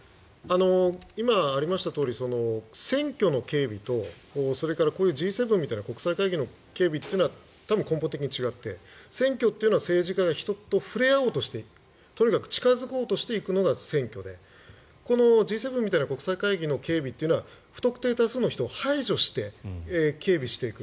今ありましたとおり選挙の警備とそれからこういうＧ７みたいな国際会議の警備は多分、根本的に違って選挙というのは政治家が人と触れ合おうとしてとにかく近付こうとしていくのが選挙でこのＧ７みたいな国際会議の警備というのは不特定多数の人を排除して警備していく。